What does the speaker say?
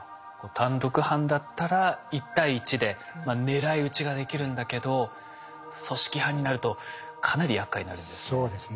単独犯だったら１対１で狙い撃ちができるんだけど組織犯になるとかなりやっかいになるんですね。